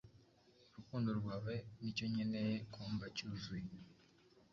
Urukundo rwawe nicyo nkeneye kumva cyuzuye